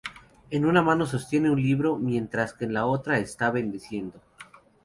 En una mano sostiene un libro mientras que con la otra está bendiciendo.